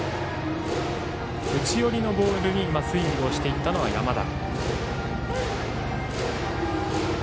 内寄りのボールにスイングをしていった山田。